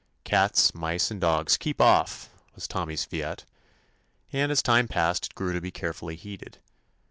"Cats, mice, and dogs, keep off I" was Tommy's fiat, and as time passed it grew to be carefully heeded.